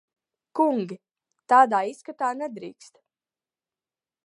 Kungi! Tādā izskatā nedrīkst.